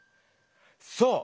そう！